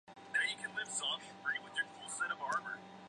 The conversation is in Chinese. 本剧设定在密西西比三角洲的一个富裕的种植园家庭中。